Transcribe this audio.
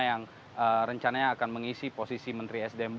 yang rencananya akan mengisi posisi menteri sdm baru definitif